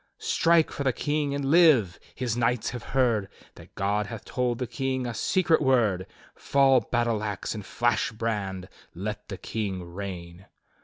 "'Strike for the King and live! His knights have heard That God hath told the King a secret word. Fall battle ax, and flash brand! Let the King reign!